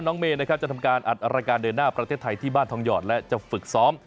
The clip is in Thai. เมย์นะครับจะทำการอัดรายการเดินหน้าประเทศไทยที่บ้านทองหยอดและจะฝึกซ้อม